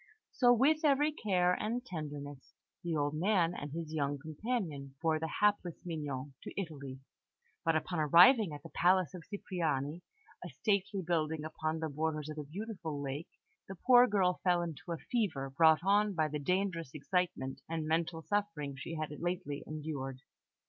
So with every care and tenderness the old man and his young companion bore the hapless Mignon to Italy; but upon arriving at the palace of Cipriani a stately building upon the borders of a beautiful lake the poor girl fell into a fever, brought on by the dangerous excitement and mental suffering she had lately endured.